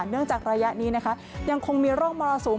เนื่องจากระยะนี้นะคะยังคงมีร่องมรสุม